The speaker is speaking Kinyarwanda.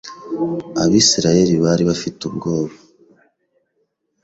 Abisirayeli bari bafite ubwoba